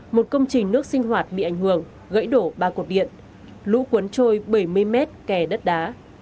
một công trình nước sinh hoạt bị ảnh hưởng gãy đổ ba cột điện lũ cuốn trôi bảy mươi mét kè đất đá